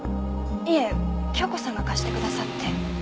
いえ教子さんが貸してくださって。